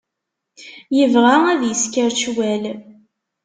Yebɣa ad isker ccwal.